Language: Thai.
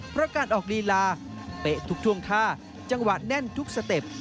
เพราะการออกลีลาเป๊ะทุกท่วงท่าจังหวะแน่นทุกสเต็ป